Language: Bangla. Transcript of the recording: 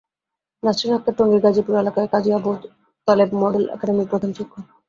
নাসরিন আক্তার টঙ্গীর গাজীপুরা এলাকার কাজী আবু তালেব মডেল একাডেমির প্রধান শিক্ষক।